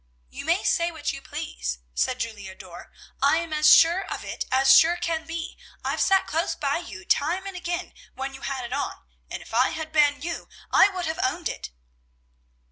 "You may say what you please," said Julia Dorr. "I'm as sure of it as sure can be; I've sat close by you time and again when you had it on, and if I had been you I would have owned it."